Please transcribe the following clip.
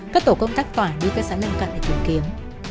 các tổ công tác tỏa đi cơ sở lân cận để kiểm kiếm